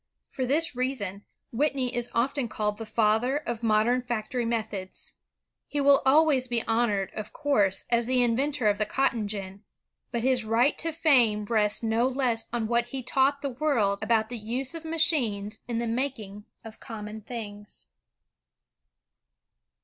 For this reason, Whitney is often called the "father of modem factory methods." He will always be honored, of course, as the inventor of the cotton gin, but his right to fame rests no less on what he taught the world about the use of machines in the making of common things.